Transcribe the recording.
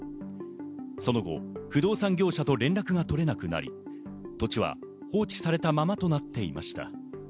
その後、不動産業者と連絡が取れなくなり、土地は放置されたままとなっていました。